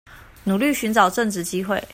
努力尋找正職機會